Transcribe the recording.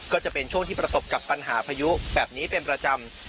ก็จะเป็นช่วงที่ประสบกับปัญหาพายุแบบนี้เป็นประจำ